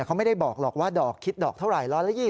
เขาไม่ได้บอกหรอกว่าดอกคิดดอกเท่าไหร่๑๒๐